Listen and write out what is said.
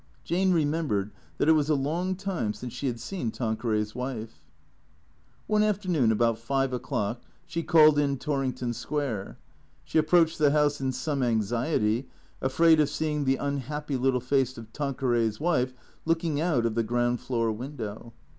Jane remembered that it was a long time since she had seen Tanqueray's wife. One afternoon, about five o'clock, she called in Torrington Square. She approached the house in some anxiety, afraid of seeing the unhappy little face of Tanqueray's wife looking out of the gi'ound floor window.